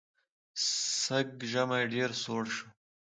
سږ ژمی ډېر سوړ شو.